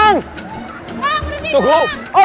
bang berhenti bang